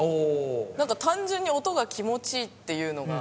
単純に音が気持ちいいっていうのが。